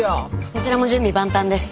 こちらも準備万端です。